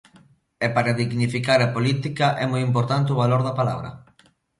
E para dignificar a política é moi importante o valor da palabra.